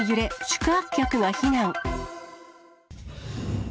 宿泊客が避難。